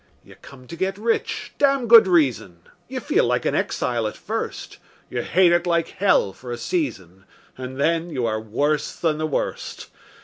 You come to get rich (damned good reason); You feel like an exile at first; You hate it like hell for a season, And then you are worse than the worst.